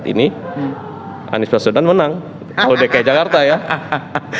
jadi tidak usah heran kalau di jakarta disurvey saja